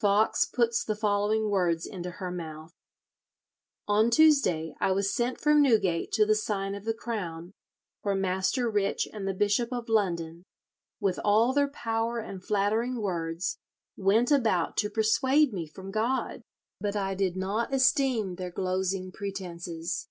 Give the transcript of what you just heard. Foxe puts the following words into her mouth: "On Tuesday I was sent from Newgate to the Sign of the Crown, where Master Rich and the Bishop of London, with all their power and flattering words, went about to persuade me from God, but I did not esteem their glosing pretences.